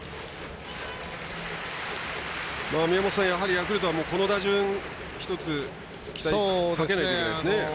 宮本さん、ヤクルトはこの打順１つ期待かけないといけないですね。